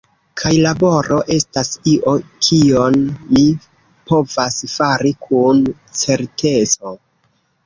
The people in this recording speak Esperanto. Kaj laboro estas io, kion mi povas fari kun certeco.